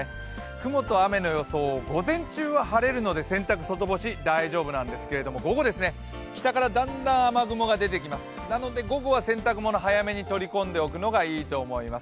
雲と雨の予想、午前中は晴れるので洗濯外干し大丈夫なんですけど午後ですね、北からだんだん雨雲が出てきますなので、午後は洗濯物を早めに取り込んでおくのがいいと思います。